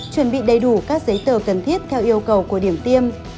chuẩn bị đầy đủ các giấy tờ cần thiết theo yêu cầu của điểm tiêm